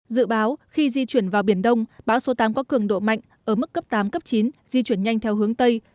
dự báo khi di chuyển vào biển đông bão số tám có cường độ mạnh ở mức cấp tám cấp chín di chuyển nhanh theo hướng tây